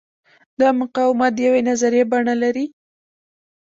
دا مقاومت د یوې نظریې بڼه لري.